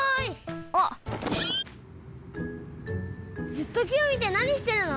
ずっときをみてなにしてるの？